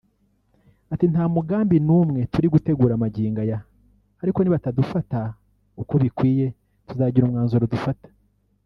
Ati “Nta mugambi n’umwe turi gutegura magingo aya ariko nibatadufata uko bikwiye tuzagira umwanzuro dufata